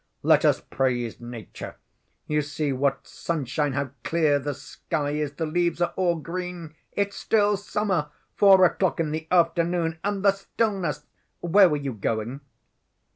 Let us praise nature: you see what sunshine, how clear the sky is, the leaves are all green, it's still summer; four o'clock in the afternoon and the stillness! Where were you going?"